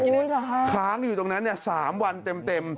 โอ๊ยเหรอครับค้างอยู่ตรงนั้น๓วันเต็ม